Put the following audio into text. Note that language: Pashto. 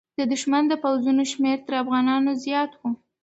د دښمن د پوځونو شمېر تر افغانانو زیات و.